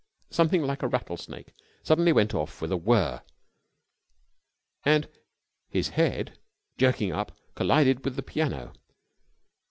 Something like a rattlesnake suddenly went off with a whirr, and his head, jerking up, collided with the piano.